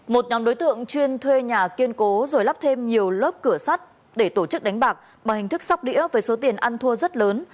một nhóm đối tượng chuyên thuê nhà kiên cố rồi lắp thêm nhiều lớp cửa sắt để tổ chức đánh bạc bằng hình thức sóc đĩa với số tiền ăn thua rất lớn